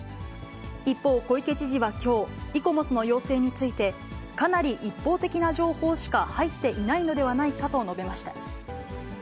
一方、小池知事はきょう、イコモスの要請について、かなり一方的な情報しか入っていないのではないかと述べました。